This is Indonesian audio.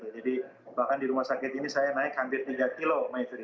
bahkan di rumah sakit ini saya naik hampir tiga kilo maifri